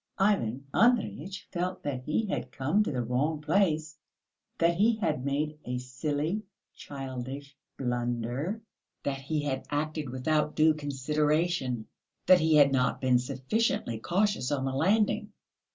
Ivan Andreyitch felt that he had come to the wrong place, that he had made a silly, childish blunder, that he had acted without due consideration, that he had not been sufficiently cautious on the landing.